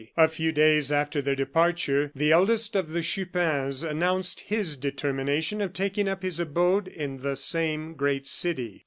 A few days after their departure, the eldest of the Chupins announced his determination of taking up his abode in the same great city.